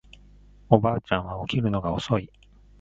おばあちゃんは起きるのが遅い